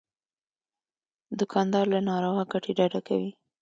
دوکاندار له ناروا ګټې ډډه کوي.